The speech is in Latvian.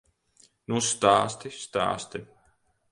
Nu stāsti, stāsti!